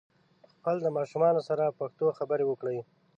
خپل د ماشومانو سره په پښتو خبري وکړئ